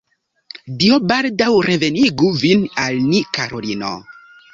Dio baldaŭ revenigu vin al ni, karulino.